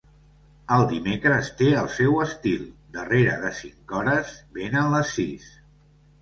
El dimecres té el seu estil, darrere de cinc hores venen les sis.